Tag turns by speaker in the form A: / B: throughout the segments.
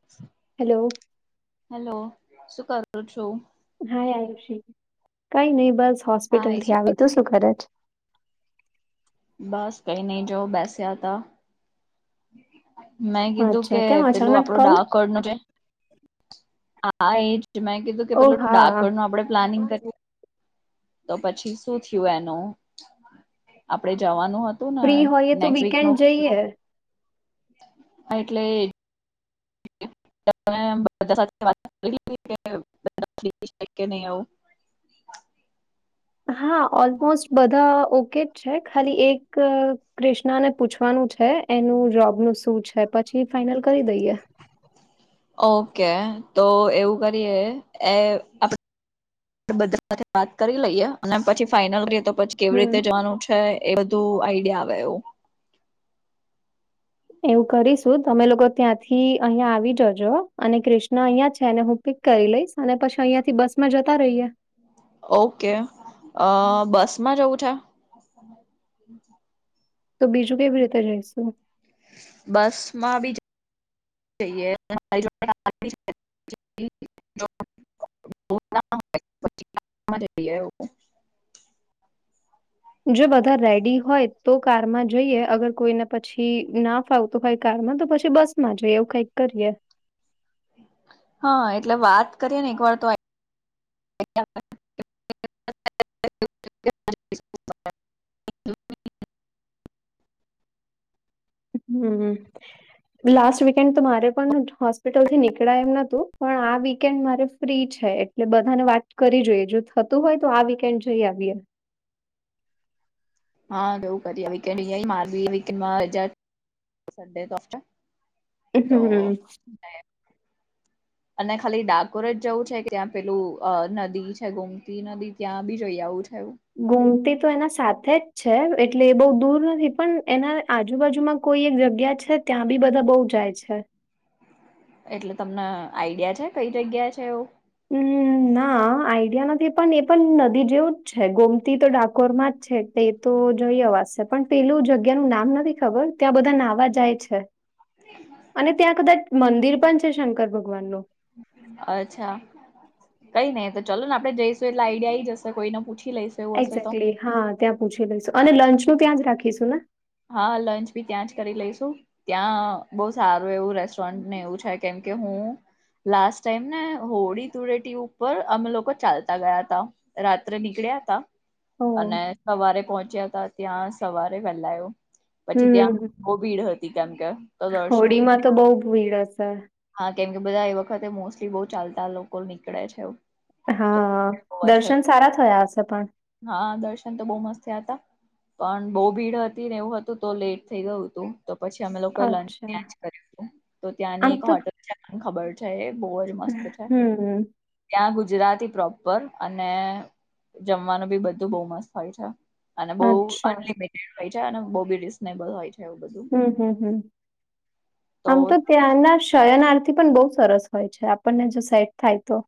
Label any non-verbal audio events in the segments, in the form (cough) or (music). A: (inaudible)
B: Hello.
A: Hello. શું કરું છો?
B: હાઈ આયુષી. કંઈ નઈ બસ
A: હા
B: હોસ્પિટલ થી
A: એ
B: આવી. તું શું કરે છ?
A: બસ કંઈ નહીં, જો બેસ્યા તા. મેં કીધું
B: અચ્છા
A: કે
B: કેમ
A: પેલું
B: અચાનક
A: આપડો
B: કોલ?
A: ડાકોર નો જે હા એજ. મેં કીધું કે
B: ઓ
A: પહેલું
B: હા
A: ડાકોર નું આપડે પ્લાનિંગ કરી તો પછી, શું થયું એનું? આપડે જવાનું હત તું ને,
B: ફ્રી હોઈએ તો
A: નેકસ્ટ વીક
B: વીકેન્ડ
A: નું
B: જઈએ.
A: હા એટલે જ (inaudible) બધા સાથે કરી કે બધા ફ્રી છે કે નહીં એવું?
B: હા ઓલમોસ્ટ બધા ઓકે જ છે. ખાલી એક ક્રિષ્નાને પૂછવાનું છે એનું જોબ નું શું છે. પછી ફાઈનલ કરી દઈએ.
A: ઓકે તો એવું કરીએ એ, આપણે બધા સાથે વાત કરી લઈએ અને પછી ફાઈઇનલ રહે તો પછી, કેવી
B: હમ.
A: રીતે જવાનું છે એ બધું આઈડિયા આવે એવું.
B: એવું કરીશું તમે લોકો ત્યાંથી અહિયાં આવી જજો અને ક્રિષ્ના અહિયાં છેને હું, પિક કરી લઈશ અને પછી અહિંયાથી બસમાં જતા રહીએ.
A: ઓકે બસમાં જવું છે. હ.
B: તો બીજું કેવી રીતે જઈશું?,
A: બસ માં પણ-, જઈએ (unintelligible) (inaudible) (inaudible) (unintelligible)
B: જો બધા રેડી હોય તો કારમાં જઈએ અને કોઈને પછી ના, ફાવતું હોય કારમાં પછી બસ માં જોઈએ એવું કઈક કરીએ.
A: હા એટલે વાત કરીએ ને એક વાર તો (inaudible)
B: (inaudible) લાસ્ટ વીકેન્ડ તો મારે પણ હોસ્પિટલથી નીકળાય એમ નથી પણ આ વીકેન્ડ મારે, ફ્રી છે એટલે બધાને વાત કરી જોઈએ જો થતું હોય તો આ વીકેન્ડ જઈ આવીએ.
A: હા એવું કરી માે
B: હમ્મ.
A: (inaudible)
B: (unintelligible)
A: અને ખાલી ડાકોરે જ જવું છે કે ત્યાં પેલું નદી છે ગોમતી નદી, ત્યાં પણ જોઈ આવું થયું.
B: ગૈમતી તો એના સાથે જ, છે એટલે એ બહુ દૂર નથી પણ એના આજુબાજુમાં કોઈ એક જગ્યા છે. ત્યાં પણ બધા બહુ જાય છે.
A: એટલે તમને આઈડિયા છે કઈ જગ્યા છે એવું.
B: હમ ના, હા આઈડિયા નથી પણ એ પણ નદી જેવું જ છે ગોમતી તો ડાકોરમાં જ છે. એ તો જોઈ આવા છે પણ પેલું જગ્યા નું નામ નથી ખબર ત્યાં બધા નાવા જાય છે. અને ત્યાં કદાચ મંદિર પણ છે શંકર ભગવાન નું,
A: અચ્છા. કઈ નહિ ચાલો ને આપે જઈશું એટલે આઈડિયા આવી જશે કોઈને પૂછી, એવું હશે તો
B: એક્ઝેક્ટલી હા ત્યાં પૂછી લઈશું અને લંચ નું ત્યાં જ રાખીશું ને.
A: હા લંચ પણ ત્યાં જ કરી લઈશુ. ત્યાં બહુ સારું એવું રેસ્ટોરન્ટ ને એવું છે કેમકે હું. લાસ્ટ ટાઈમ ને હોળી ધુળેટી ઉપર અમે લોકો ચાલતા ગયા હતાં. રાત્રે નીકળ્યા
B: ઓ
A: અને સવારે પહોંચ્યા હતા ત્યાં સવારે વહેલા, પછી
B: હમ
A: ત્યાં ભીડ હતી કેમ કે તો દર્શન,
B: માં તો બહુ, બિન્દાસ.
A: હા કેમ કે બધા એ વખતે મોસ્ટલી બહુ ચાલતા લોકો નીકળે છે.
B: હા
A: બહુ જ હતું.
B: દર્શન સારા થયા હશે પણ.
A: હા દર્શન તો બહુ મસ્ત થયા હતા. પણ બહુ ભીડ હતી ને એવું હતું તો લેટ થઈ ગયું હતું. તો પછી અમે લોકોએ લંચ
B: અચ્છા
A: કરી તો
B: આમ
A: ત્યાંની એક.
B: તો
A: ખબર છે એ બહુ જ મસ્ત છે.
B: હમ
A: ત્યાં ગુજરાતી પ્રોપર અને જમવાનું પણ બધું બહુ મસ્ત હોય છે. અને બહુ
B: અચ્છા
A: અનલિમિટેડ હોય છે અને બહુ પણ રિઝનેબલ હોય છે. એવું બધું
B: હમ, આમ તો ત્યાંના શયનાર્થી પણ બહુ, સરસ હોય છે આપણને જો સેટ થાય તો.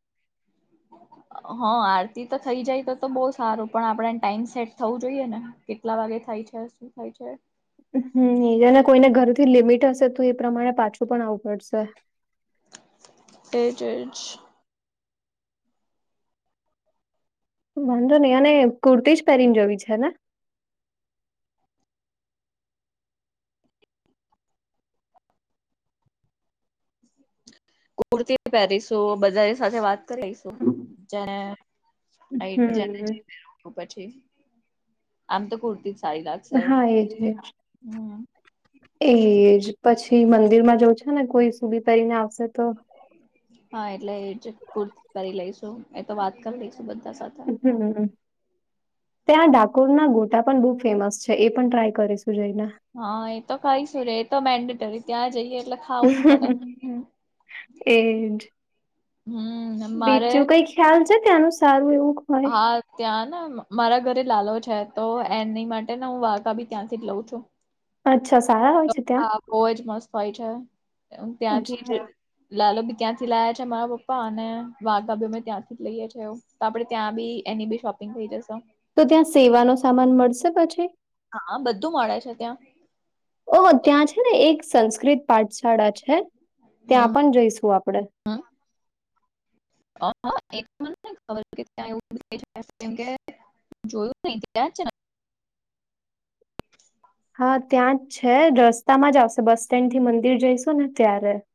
B: (unintelligible)
A: હા આરતી તો થઈ જાય તો તો બહુ સારું પણ આપડેને ટાઈમ સેટ થવું જોઈએ ને કેટલા વાગે થાય છે. થઈ જાય.
B: હિરને કોઈને ઘરથી લિમિટ હશે તો એ પ્રમાણે પાછું પણ આવવું પડશે
A: એજ જ.
B: વાંધો નઈ અને કુર્તીજ પહેરીને જવી છે ને
A: કુર્તી પહેરીશું બધાને સાથે વાત કરી લેશું જેને જાને જે
B: હમ
A: પેરહવુ પછી આમ તોજ કુર્તી સાય લાગશે
B: હા એજ એજ
A: હમ
B: એજ પછી મંદિર માં જઉ છે ને કોઈ સુબી પહેરીને આવશે તો
A: હા એટલે એ જ કુર્તી પેરી લઈશું એતો વાત કરી લઈશું બધા સાથે
B: (inaudible) ત્યાં ડાકોરના ગોટા પણ બહુ ફેમસ છે એ પણ ટ્રાય કરીશું જઈને
A: હા એ તો કઈશું રે એ તો મેન્ડેટરી ત્યાં જઈએ એટલે ખાવું જ પડે હ
B: એજ
A: હમ ને મારે- -
B: ચાલશે ત્યાંનું સારું એવું- -
A: હા. ત્યાં ના મારા ઘરે લાલો છે તો એની માટે હું વાધા બી ત્યાંથી જ લઉં છું.
B: અચ્છા સાહેબ.
A: હા બહુ જ મસ્ત હોય છે ત્યાંથી જ.
B: અચ્છા
A: લાલો બી ત્યાંથી લાયા છે મારા પપ્પા અને વાઘા ભી અમે ત્યાંથી જ લઈએ છીએ એ. તો આપડે ત્યાં બી એની બી શોપિંગ થઈ જશે.
B: તો ત્યાં સેવાનો સામાન મળશે પછી?
A: હા બધું મળે છે ત્યાં.
B: ઓહો ત્યાં છે ને એક સંસ્કૃત પાઠશાળા છે ત્યાં
A: હમ
B: પણ જઈશું આપણેે.
A: હમ મને ખબર ત્યા એવ કેમ કે- - (inaudible) જોયું નહી ત્યાં છે ને.
B: હા ત્યાં જ છે રસ્તામાં જ આવશે બસ સ્ટેન્ડ થી મંદિર જઈશું ને ત્યારે- -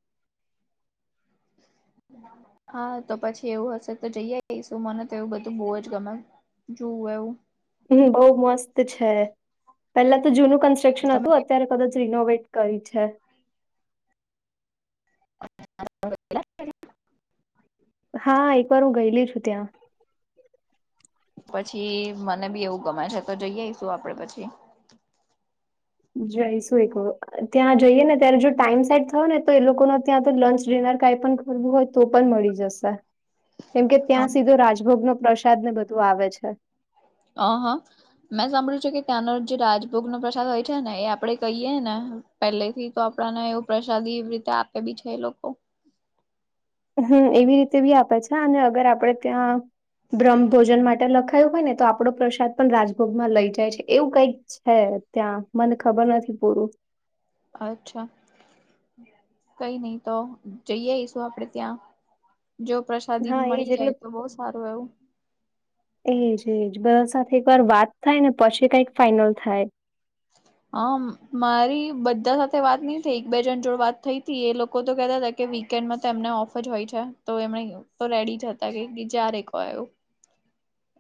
A: હા તો પછી એવું હશે તો જઈ જઈશું મને તો એવું બધું બહુ જ ગમે. જોવુ એવુ.
B: હમ બહુ મસ્ત છે પેલા તો જૂનું કન્સ્ટ્રક્શન
A: તમે
B: હતું. અત્યારે કદાચ રિનોવેટ કરી છે.
A: (inaudible)
B: હા એકવાર હું ગયેલી છું ત્યાં.
A: પછી મને બી એવું ગમાયે છે તો જઈ આવીઈશું આપડે પછી- -
B: જય શું એક - - ત્યાં જઈએ ને ત્યારે જો ટાઈમ સેટ થયો ને તો એ લોકોનો ત્યાં તો લંચ ડિનર કાઈ પણ- - બું હોય તો પણ મળી જશે. કેમ કે ત્યાં સીધો રાજભોગ નો પ્રસાદ ને બધું આવે છે.
A: હ હા. મેં સાંભળ્યું છેું કે ત્યાંનો જે રાજભોગ નો પ્રસાદ હોય છે ને એ આપડે કહીએ ને- - પેલેથી તો આપડાને એવું પ્રસાદી એવી રીતે આપે બી છે એ લોકો- -
B: હમ એવી રીતે બી આપે છે અને અગર આપડે ત્યાં- - બ્રહ્મ ભોજન માટે લખાયું હોય ને તો આપડો પ્રસાદ પણ રાજભોગમાં લઈ જાય છે એવું કઈક- - છે ત્યાં મને ખબર નથી પૂરું.
A: અચ્છા. કઈ નહી તો જઈએશું આપડે ત્યાં જો પ્રશ- - શાદી
B: હા એજ
A: મળી
B: એટલે
A: જાય તો બહુ સારું એવું.
B: એજ એજ બધા સાથે એક વાર વાત થાય ને પછી કઈક ફાઈનલ થાય.
A: હમ મારી બધા સાથે વાત નઈ થઈ એક બે જણ જોડ વાત થઈ હતી એ લોકો તો કેતા- - કે વીકેન્ડમાં તો એમને ઓફર જહોય છે તો એમણે તો રેડી જતા કે જ્યારે ક આવું.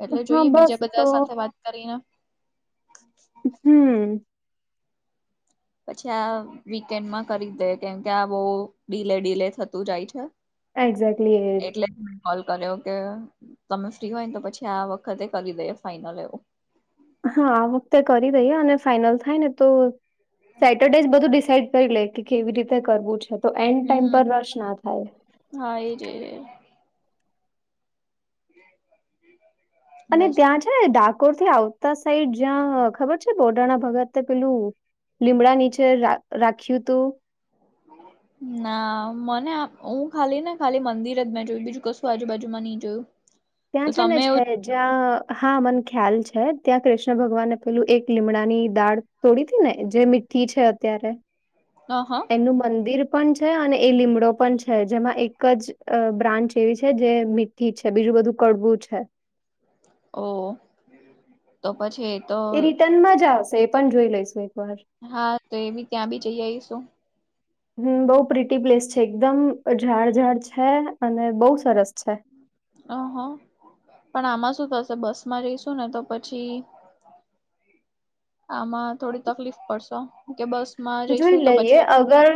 A: એટલે
B: હા
A: જોઈએ બીજા
B: બસ
A: બધા
B: તો
A: સાથે વાત કરીને.
B: હમ.
A: પછી આ વીકેન્ડમાં કરી દય કેમકે આ બહુ ડીલે ડીલે થતું જાય છે.
B: એક્ઝેક્ટલી એજ
A: એટલે કોલ કર્યો કે તમે ફ્રી હોય ને તો પછી આ વખતે કરી દેએ ફાઈનલ એવું.
B: હા આ વખતે કરી દઈએ અને ફાઈનલ થાય ને તો- - સેટરડેજ બધું ડિસાઈડ કરી લે કે કેવી રીતે કરવું છે તો એન્ડ ટાઈમ
A: હમ
B: પર રસ ના થાય.
A: હા એ જ. (inaudible)
B: અને
A: બસ
B: ત્યાં છે ડાકોર થી આવતા સાઈડ જ્યાં ખબર છે બોડાણા ભગત પેલું લીમડા નીચે રા રાખ્યું તું. (inaudible)
A: ના મને હું ખાલી ને ખાલી મંદિર જ મેં જોયું બીજું કશું આજુબાજુમાં નહી જોયું. તો
B: ત્યાં છે ને
A: તમે એવું
B: છે જ જ્યાં હા મને ખ્યાલ છે ત્યાં કૃષ્ણ ભગવાને પેલું એક લીમડાની દાળ તોડીથી ને જે મીઠી છે અત્યારે
A: આ હા
B: એનું મંદિર પણ છે અને એ લીમડો પણ છે જેમાં એક જ બ્રાન્ચ એવી છે જે મી થી છે બીજું બધું કડવું છે
A: ઓ તો પછી તો
B: એ રિટર્નમાં જ આવશે એ પણ જોઈ લઈશું એક વાર
A: હા તો એ બી ત્યાં બી જઈ આઈશું
B: (inaudible) હમ બઉ પ્રિટી પ્લેસ છે એકદમ ઝાડ ઝાડ છે અને બઉ સરસ છે
A: ઓહ પણ આમાં શું થશે બસમાં જઈશું ને તો પછી આમાં થોડી તકલીફ પડશો કે બસ
B: જોઈ લઈએ અગર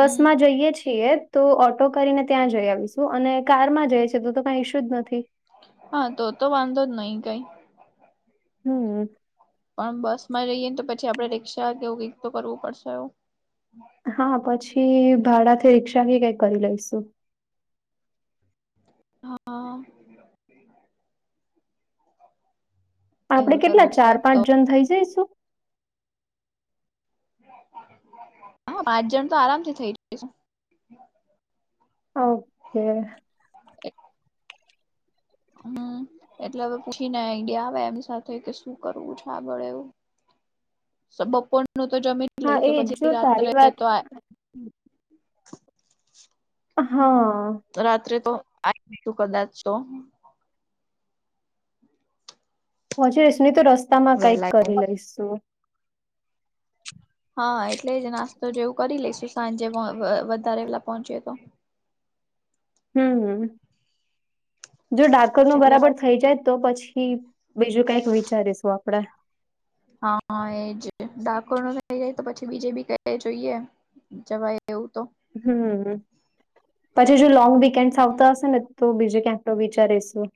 B: બસ માં જઈએ છીએ તો ઓટો કરીને ત્યાં જઈ આવીશું અને કારમાં જાય છે તો કઈ ઇશ્યુ જ નથી
A: હા તો તો વાંધો જ નહી કઈ
B: હમ
A: પણ બસ માં જઈએ ને તો પછી આપડે રિક્ષા કેવું કક તો કરવું પડશે એવું
B: હા પછી ભાડાથી રિક્ષા કઈક કરી લઈશુ
A: હા
B: આપડે
A: એવું
B: કેટલા
A: કરવું પડશે
B: ચાર
A: તો
B: પાંચ જણ થઇ જઈશું
A: હા પાંચ જણ તો આરામથી થઇ જશું
B: ઓકે
A: (inaudible) હમ એટલે હવે પૂછીને આઈડિયા આવે એમની સાથે કે શું કરવું છે આબળે એવું બપોર નું તો જમી
B: એ
A: લઈશું
B: જ.
A: પછી
B: જો
A: રાત્રે
B: તારી વાત
A: તો આ
B: હા
A: રાત્રે તો આ (unintelligible) કદાચ તો
B: (unintelligible) નહી તો રસ્તા માં કઈક
A: વહેલા
B: કરી લઈશું
A: હા એટલે જ નાસ્તો જેવું કરી લઈશુ સાંજે વધારે વેલા પહોંચીએ તો
B: હમ હમ જો ડાકોર નું
A: એટલે
B: બરાબર થઈ જાય તો પછી બીજું કઈક વિચારીશું આપડે
A: હા એજ ડાકોરનું થઈ જાય તો પછી બીજે બી ક જોઈએ જવાય એવું તો
B: હમ પછી જો લોંગ વીકેન્ડ આવતા હશે ને તો બીજે ક્યાંક વિચારીશું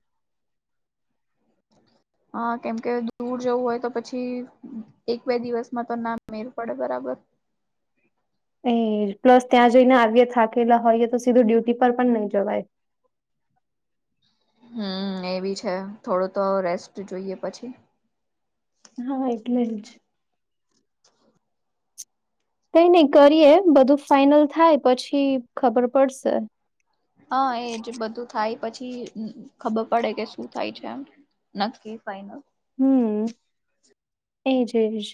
A: હ કેમકે દૂર જવું હોય તો પછી, એક બે દિવસમાં તો ના મેર પડે બરાબર.
B: એ પ્લસ ત્યાં જઈને આવીએ થાકેલા હોયએ, તો સીધું ડ્યુટી પર પણ નઈ જવાય.
A: હમ એ બી છે. થોડું તો રેસ્ટ જોઈએ પછી.
B: હા, એટલે જ. કઈ ની કરીએ બધું ફાઈનલ થાય, પછી ખબર પડશે.
A: હા એજ બધું થાય પછી, ખબર પડે કે શું થાય છે. નક્કી, ફાઈનલ.
B: હમ એજ એજ.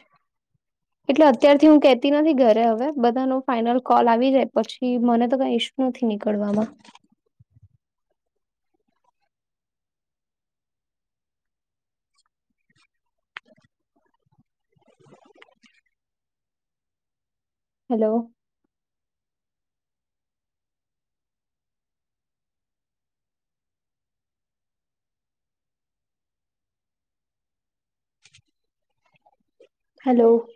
B: એટલે અત્યારથી હું કેતી નથી ઘરે હવે બધા ન ફાઈનલ કોલ આવી જાય પછી, મને તો કઈ ઇશુ નથી નીકળવામાં. હલો. હલો.